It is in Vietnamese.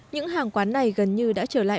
những hàng quán này gần như đã trở lại